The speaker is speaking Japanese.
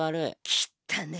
きったねぇ。